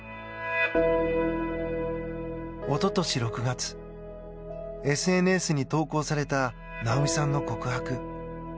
一昨年６月、ＳＮＳに投稿されたなおみさんの告白。